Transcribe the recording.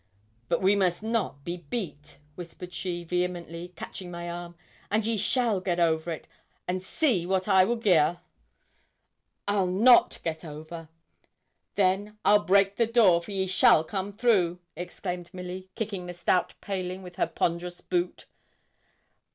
'But we must not be beat,' whispered she, vehemently, catching my arm; 'and ye shall get over, and see what I will gi' her!' 'I'll not get over.' 'Then I'll break the door, for ye shall come through,' exclaimed Milly, kicking the stout paling with her ponderous boot.